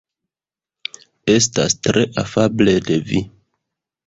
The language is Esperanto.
Estas tre afable de vi.